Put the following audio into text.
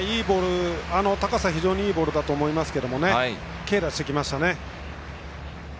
高さは非常にいいボールだと思いますけれども手を出してきましたね。